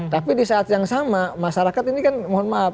tapi di saat yang sama masyarakat ini kan mohon maaf